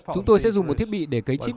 chúng tôi sẽ dùng một thiết bị để cấy chip